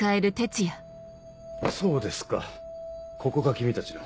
そうですかここが君たちの。